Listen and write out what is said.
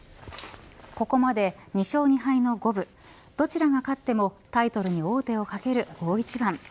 ここまで２勝２敗の五分どちらが勝ってもタイトルに王手をかける大一番。